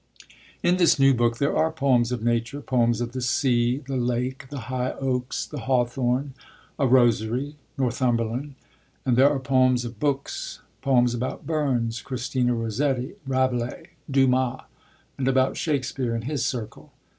In this new book there are poems of nature, poems of the sea, the lake, the high oaks, the hawthorn, a rosary, Northumberland; and there are poems of books, poems about Burns, Christina Rossetti, Rabelais, Dumas, and about Shakespeare and his circle.